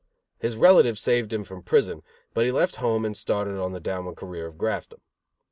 His relatives saved him from prison, but he left home and started on the downward career of graftdom.